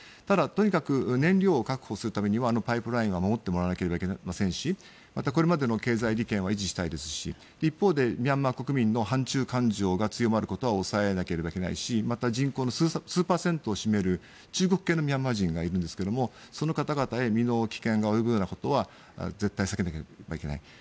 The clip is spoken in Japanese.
ただ、とにかく燃料を確保するためにはパイプラインは守ってもらわないといけませんしまたこれまでの経済利権は維持したいですし一方でミャンマー国民の反中感情が強まることは抑えなければいけないしまた人口の数パーセントを占める中国系のミャンマー人がいるんですがその方々へ身の危険が及ぶようなことは絶対に避けなければいけない。